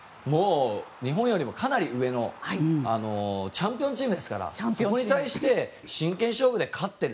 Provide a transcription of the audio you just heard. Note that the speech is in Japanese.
日本よりもかなり上のチャンピオンチームですからそこに対して真剣勝負で勝っている。